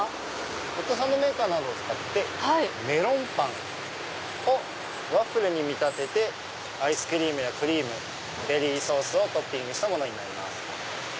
ホットサンドメーカーを使ってメロンパンをワッフルに見立ててアイスクリームやクリームベリーソースをトッピングしたものになります。